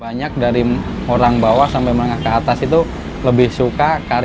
banyak dari orang bawah sampai menengah ke atas itu lebih suka karya